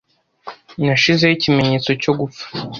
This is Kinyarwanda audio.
Nashizeho ikimenyetso cyo gupfa;